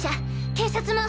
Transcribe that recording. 警察も！